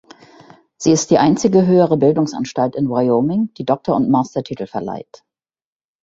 Sie ist die einzige höhere Bildungsanstalt in Wyoming, die Doktor- und Mastertitel verleiht.